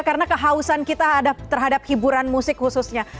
karena kehausan kita terhadap hiburan musik khususnya